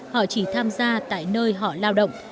họ chỉ tham gia tại nơi họ lao động